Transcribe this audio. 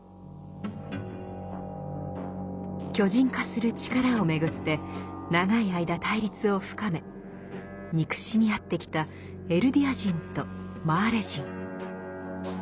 巨人化する力をめぐって長い間対立を深め憎しみ合ってきたエルディア人とマーレ人。